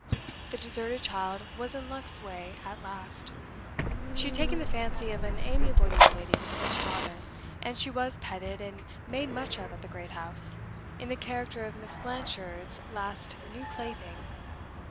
The deserted child was in luck's way at last. She had taken the fancy of an amiable young lady with a rich father, and she was petted and made much of at the great house, in the character of Miss Blanchard's last new plaything.